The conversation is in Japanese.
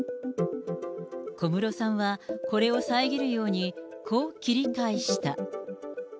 小室さんは、これを遮るように、こう切り返した。